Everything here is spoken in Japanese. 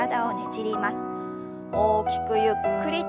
大きくゆっくりと。